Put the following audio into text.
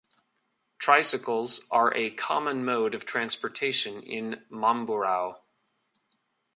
Tricycles are a common mode of transportation in Mamburao.